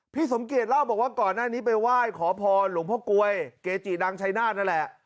สมเกียจเล่าบอกว่าก่อนหน้านี้ไปไหว้ขอพรหลวงพ่อกลวยเกจิดังชายนาฏนั่นแหละ